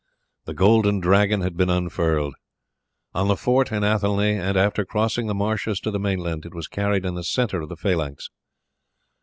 The Golden Dragon had been unfurled. On the fort in Athelney, and after crossing the marshes to the mainland it was carried in the centre of the phalanx.